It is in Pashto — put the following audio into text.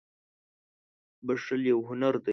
• بښل یو هنر دی.